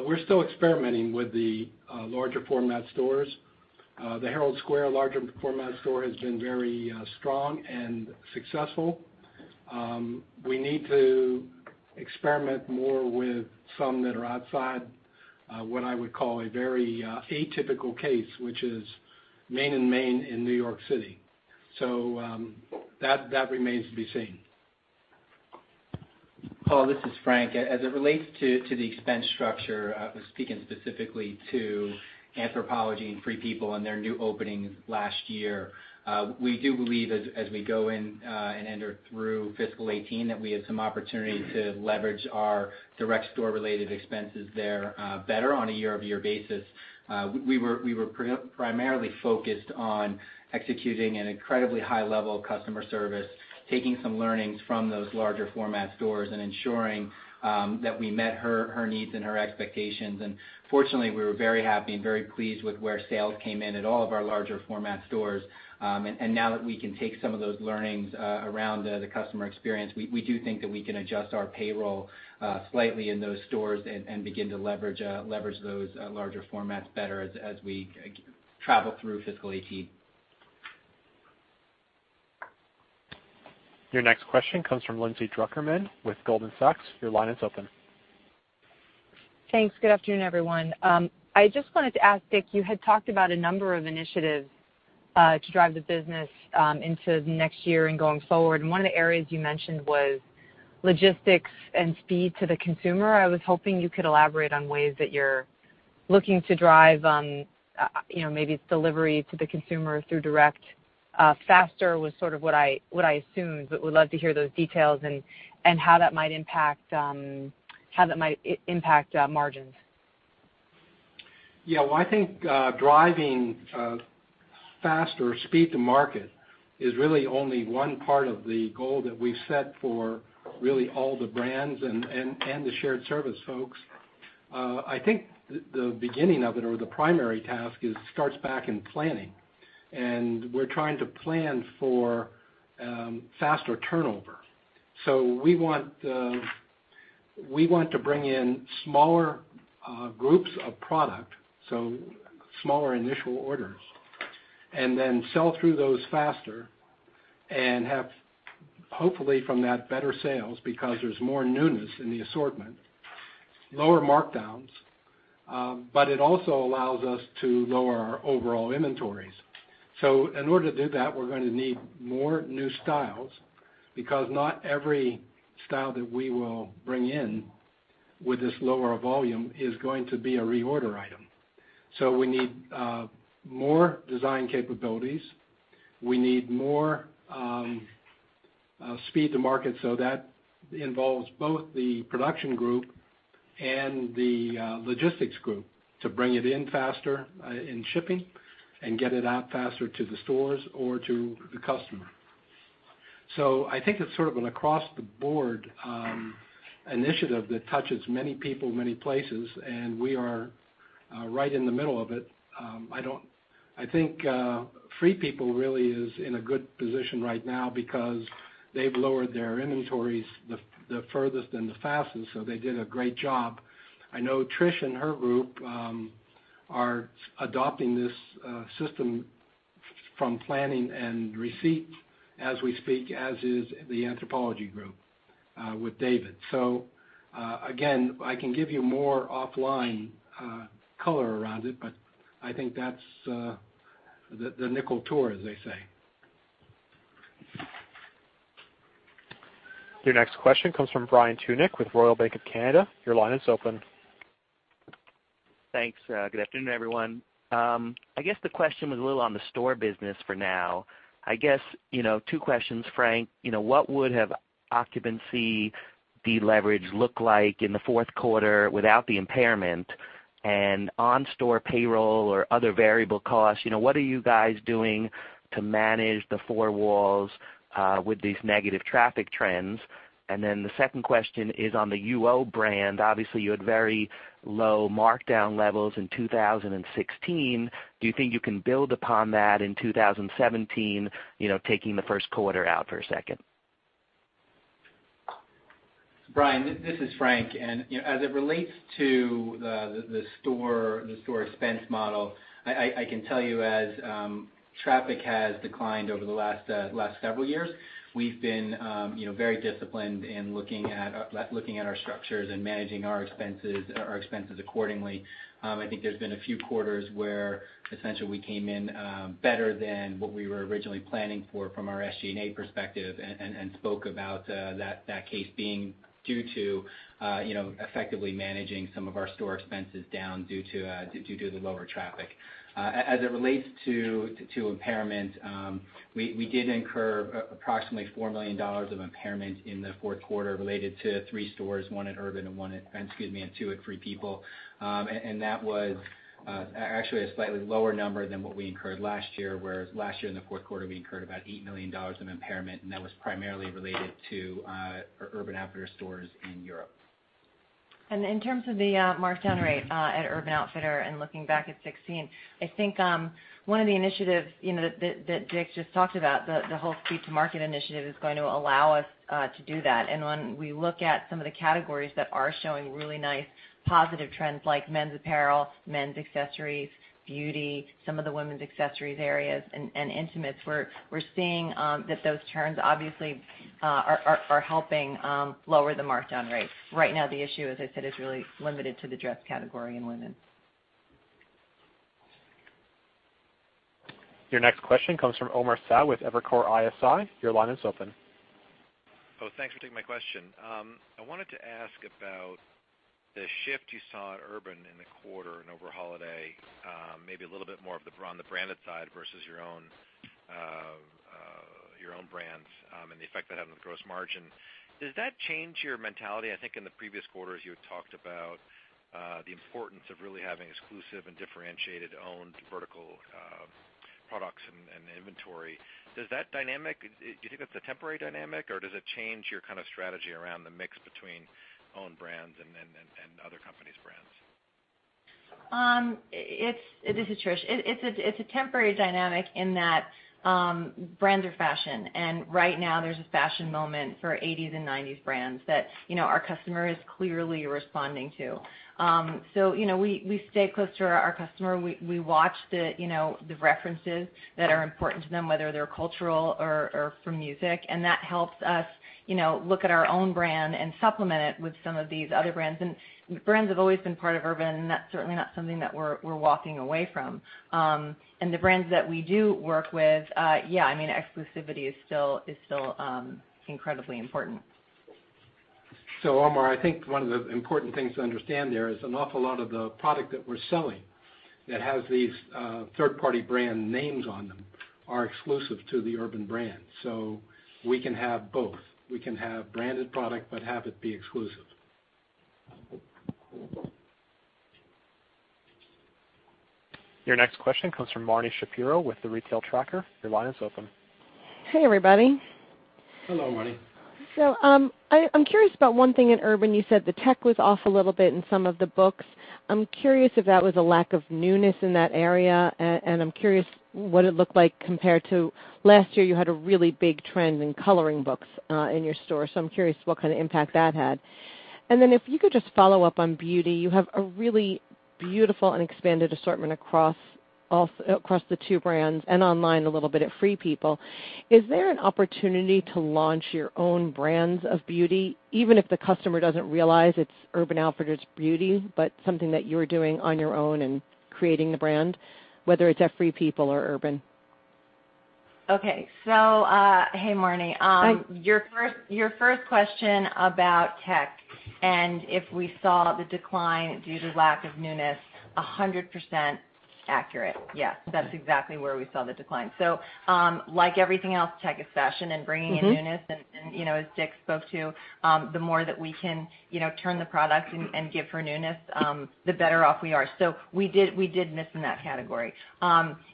we're still experimenting with the larger format stores. The Herald Square larger format store has been very strong and successful. We need to experiment more with some that are outside what I would call a very atypical case, which is Main and Main in New York City. That remains to be seen. Paul, this is Frank. As it relates to the expense structure, I was speaking specifically to Anthropologie and Free People and their new openings last year. We do believe as we go in and enter through fiscal 2018, that we have some opportunity to leverage our direct store-related expenses there better on a year-over-year basis. We were primarily focused on executing an incredibly high level of customer service, taking some learnings from those larger format stores and ensuring that we met her needs and her expectations. Fortunately, we were very happy and very pleased with where sales came in at all of our larger format stores. Now that we can take some of those learnings around the customer experience, we do think that we can adjust our payroll slightly in those stores and begin to leverage those larger formats better as we travel through fiscal 2018. Your next question comes from Lindsay Drucker Mann with Goldman Sachs. Your line is open. Thanks. Good afternoon, everyone. I just wanted to ask, Dick, you had talked about a number of initiatives to drive the business into the next year and going forward, one of the areas you mentioned was logistics and speed to the consumer. I was hoping you could elaborate on ways that you're looking to drive maybe delivery to the consumer through direct faster, was sort of what I assumed, but would love to hear those details and how that might impact margins. Yeah. Well, I think driving faster speed to market is really only one part of the goal that we've set for really all the brands and the shared service folks. I think the beginning of it, or the primary task, starts back in planning. We're trying to plan for faster turnover. We want to bring in smaller groups of product, smaller initial orders, then sell through those faster and have, hopefully, from that, better sales because there's more newness in the assortment. Lower markdowns, but it also allows us to lower our overall inventories. In order to do that, we're going to need more new styles, because not every style that we will bring in with this lower volume is going to be a reorder item. We need more design capabilities. We need more speed to market. That involves both the production group and the logistics group to bring it in faster in shipping and get it out faster to the stores or to the customer. I think it's sort of an across-the-board initiative that touches many people, many places. We are right in the middle of it. I think Free People really is in a good position right now because they've lowered their inventories the furthest and the fastest. They did a great job. I know Trish and her group are adopting this system from planning and receipt as we speak, as is the Anthropologie Group with David. Again, I can give you more offline color around it, but I think that's the nickel tour, as they say. Your next question comes from Brian Tunick with Royal Bank of Canada. Your line is open. Thanks. Good afternoon, everyone. I guess the question was a little on the store business for now. I guess, two questions, Frank. What would have occupancy deleverage looked like in the fourth quarter without the impairment and on store payroll or other variable costs? What are you guys doing to manage the four walls with these negative traffic trends? The second question is on the UO brand. Obviously, you had very low markdown levels in 2016. Do you think you can build upon that in 2017, taking the first quarter out for a second? Brian, this is Frank. As it relates to the store expense model, I can tell you as traffic has declined over the last several years, we've been very disciplined in looking at our structures and managing our expenses accordingly. I think there's been a few quarters where essentially we came in better than what we were originally planning for from our SG&A perspective and spoke about that case being due to effectively managing some of our store expenses down due to the lower traffic. As it relates to impairment, we did incur approximately $4 million of impairment in the fourth quarter related to three stores, one at Urban and two at Free People. That was actually a slightly lower number than what we incurred last year, whereas last year in the fourth quarter, we incurred about $8 million of impairment, and that was primarily related to our Urban Outfitters stores in Europe. In terms of the markdown rate at Urban Outfitters and looking back at 2016, I think one of the initiatives that Dick just talked about, the whole Speed to Market Initiative, is going to allow us to do that. When we look at some of the categories that are showing really nice positive trends, like men's apparel, men's accessories, beauty, some of the women's accessories areas, and intimates, we're seeing that those turns obviously are helping lower the markdown rates. Right now, the issue, as I said, is really limited to the dress category in women's. Your next question comes from Omar Saad with Evercore ISI. Your line is open. Thanks for taking my question. I wanted to ask about the shift you saw at Urban in the quarter and over holiday. Maybe a little bit more on the branded side versus your own brands and the effect that had on the gross margin. Does that change your mentality? I think in the previous quarters, you had talked about the importance of really having exclusive and differentiated owned vertical products and inventory. Do you think that's a temporary dynamic, or does it change your kind of strategy around the mix between owned brands and other companies' brands? This is Trish. It's a temporary dynamic in that brands are fashion, and right now there's a fashion moment for 1980s and 1990s brands that our customer is clearly responding to. We stay close to our customer. We watch the references that are important to them, whether they're cultural or from music, and that helps us look at our own brand and supplement it with some of these other brands. Brands have always been part of Urban, and that's certainly not something that we're walking away from. The brands that we do work with, yeah, exclusivity is still incredibly important. Omar, I think one of the important things to understand there is an awful lot of the product that we're selling that has these third-party brand names on them are exclusive to the Urban brand. We can have both. We can have branded product but have it be exclusive. Your next question comes from Marni Shapiro with The Retail Tracker. Your line is open. Hey, everybody. Hello, Marni. I'm curious about one thing at Urban. You said the tech was off a little bit in some of the books. I'm curious if that was a lack of newness in that area, and I'm curious what it looked like compared to last year. You had a really big trend in coloring books in your store, so I'm curious what kind of impact that had. Then if you could just follow up on beauty. You have a really beautiful and expanded assortment across the two brands and online a little bit at Free People. Is there an opportunity to launch your own brands of beauty, even if the customer doesn't realize it's Urban Outfitters beauty, but something that you're doing on your own and creating the brand, whether it's at Free People or Urban? Okay. Hey, Marni. Hi. Your first question about tech and if we saw the decline due to lack of newness, 100% accurate. Yes, that's exactly where we saw the decline. Like everything else, tech is fashion and bringing in newness. As Dick spoke to, the more that we can turn the product and give for newness, the better off we are. We did miss in that category.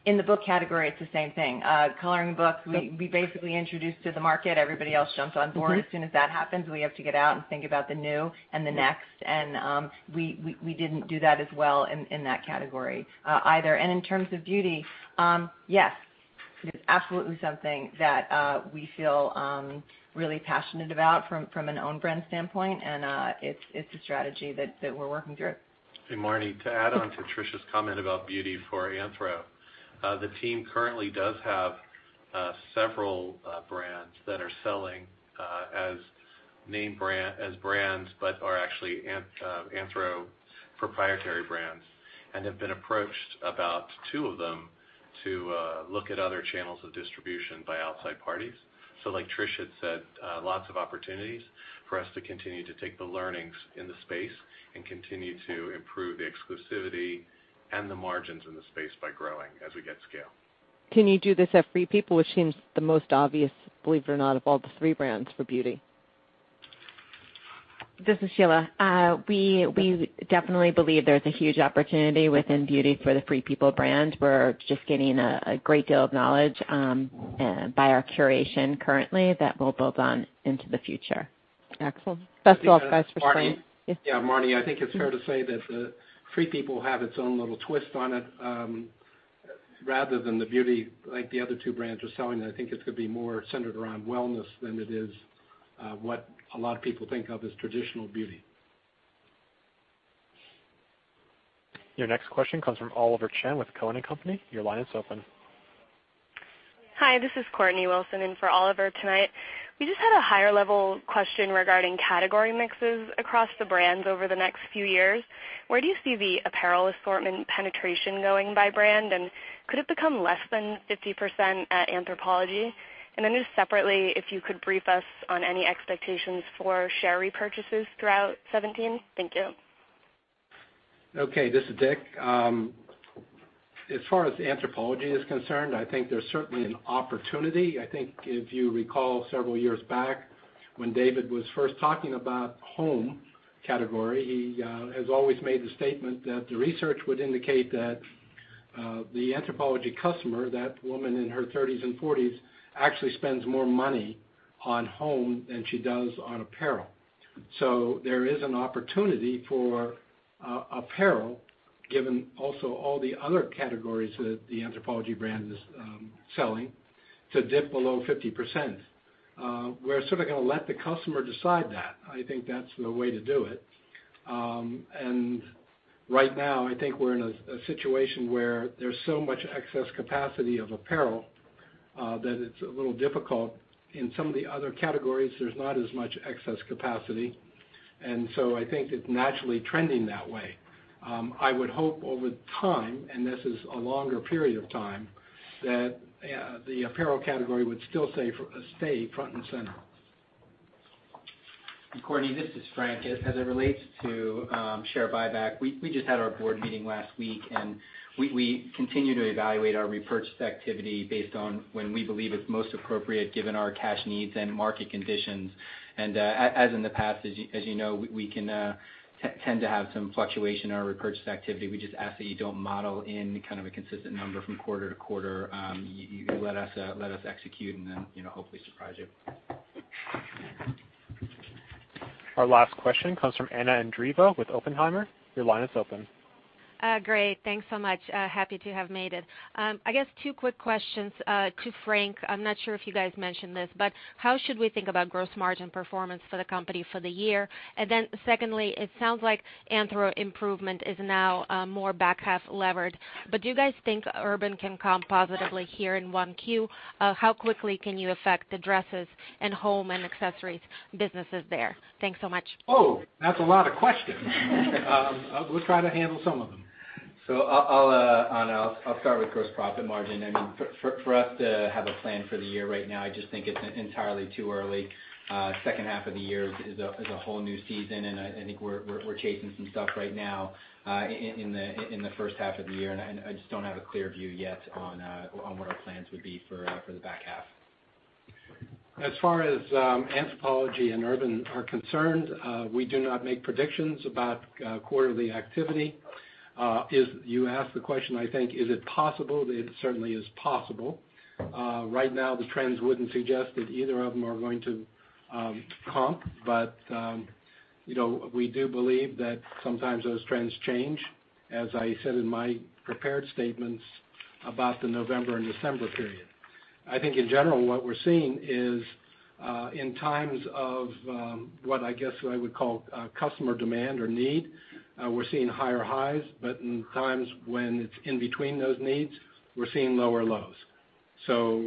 In the book category, it's the same thing. Coloring books- Yep We basically introduced to the market. Everybody else jumps on board. As soon as that happens, we have to get out and think about the new and the next, and we didn't do that as well in that category either. In terms of beauty, yes. It is absolutely something that we feel really passionate about from an own brand standpoint, and it's a strategy that we're working through. Hey, Marni. To add on to Trish's comment about beauty for Anthro. The team currently does have several brands that are selling as brands but are actually Anthro proprietary brands and have been approached about two of them to look at other channels of distribution by outside parties. Like Trish said, lots of opportunities for us to continue to take the learnings in the space and continue to improve the exclusivity and the margins in the space by growing as we get scale. Can you do this at Free People, which seems the most obvious, believe it or not, of all the three brands for beauty? This is Sheila. We definitely believe there's a huge opportunity within beauty for the Free People brand. We're just getting a great deal of knowledge by our curation currently that we'll build on into the future. Excellent. Best of luck guys for spring. Yeah, Marni, I think it's fair to say that Free People have its own little twist on it. Rather than the beauty like the other two brands are selling, I think it's going to be more centered around wellness than it is what a lot of people think of as traditional beauty. Your next question comes from Oliver Chen with Cowen and Company. Your line is open. Hi, this is Courtney Willson in for Oliver tonight. We just had a higher-level question regarding category mixes across the brands over the next few years. Where do you see the apparel assortment penetration going by brand, could it become less than 50% at Anthropologie? Separately, if you could brief us on any expectations for share repurchases throughout 2017. Thank you. Okay, this is Dick. As far as Anthropologie is concerned, I think there's certainly an opportunity. I think if you recall several years back when David was first talking about home category, he has always made the statement that the research would indicate that the Anthropologie customer, that woman in her 30s and 40s, actually spends more money on home than she does on apparel. There is an opportunity for apparel, given also all the other categories that the Anthropologie brand is selling, to dip below 50%. We're sort of going to let the customer decide that. I think that's the way to do it. Right now, I think we're in a situation where there's so much excess capacity of apparel that it's a little difficult. In some of the other categories, there's not as much excess capacity, I think it's naturally trending that way. I would hope over time, this is a longer period of time, that the apparel category would still stay front and center. Courtney, this is Frank. As it relates to share buyback, we just had our board meeting last week, we continue to evaluate our repurchase activity based on when we believe it's most appropriate, given our cash needs and market conditions. As in the past, as you know, we can tend to have some fluctuation in our repurchase activity. We just ask that you don't model in kind of a consistent number from quarter to quarter. You let us execute hopefully surprise you. Our last question comes from Anna Andreeva with Oppenheimer. Your line is open. Great. Thanks so much. Happy to have made it. I guess two quick questions to Frank. I'm not sure if you guys mentioned this, but how should we think about gross margin performance for the company for the year? Secondly, it sounds like Anthro improvement is now more back-half levered, but do you guys think Urban can comp positively here in 1Q? How quickly can you affect the dresses and home and accessories businesses there? Thanks so much. Oh, that's a lot of questions. We'll try to handle some of them. Anna, I'll start with gross profit margin. For us to have a plan for the year right now, I just think it's entirely too early. Second half of the year is a whole new season, I think we're chasing some stuff right now in the first half of the year, I just don't have a clear view yet on what our plans would be for the back half. As far as Anthropologie and Urban are concerned, we do not make predictions about quarterly activity. You asked the question, I think, is it possible? It certainly is possible. Right now, the trends wouldn't suggest that either of them are going to comp, but we do believe that sometimes those trends change, as I said in my prepared statements about the November and December period. I think in general, what we're seeing is, in times of what I guess I would call customer demand or need, we're seeing higher highs, but in times when it's in between those needs, we're seeing lower lows.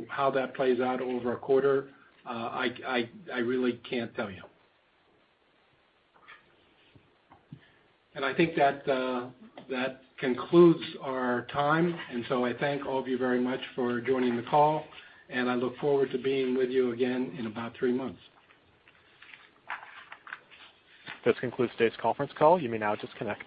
How that plays out over a quarter, I really can't tell you. I think that concludes our time, I thank all of you very much for joining the call, and I look forward to being with you again in about three months. This concludes today's conference call. You may now disconnect.